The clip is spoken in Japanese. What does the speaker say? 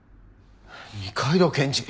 二階堂検事。